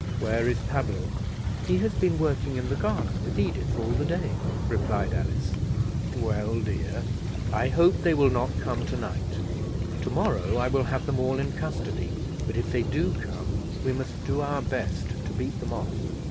"Where is Pablo?" "He has been working in the garden with Edith all the day," replied Alice. "Well, dear, I hope they will not come tonight: tomorrow I will have them all in custody; but if they do come, we must do our best to beat them off.